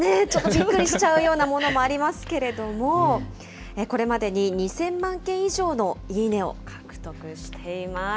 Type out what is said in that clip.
びっくりしちゃうようなものもありますけども、これまでに２０００万件以上のイイネを獲得しています。